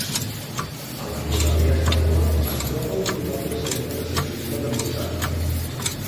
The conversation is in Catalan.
A les rodalies de Moab es troba un notable centre de ciclisme de muntanya.